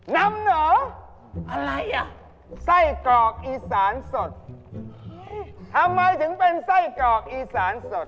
นำเหรออะไรอ่ะไส้กรอกอีสานสดทำไมถึงเป็นไส้กรอกอีสานสด